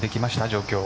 状況。